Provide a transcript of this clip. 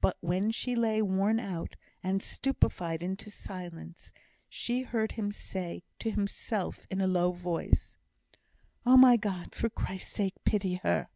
But when she lay worn out, and stupefied into silence, she heard him say to himself, in a low voice: "Oh, my God! for Christ's sake, pity her!"